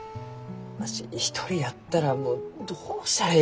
わし一人やったらもうどうしたらえいか。